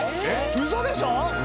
ウソでしょ？